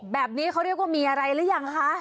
แบบนี้เขาเรียกว่ามีอะไรหรือยังคะ